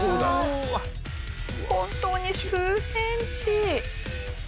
本当に数センチ。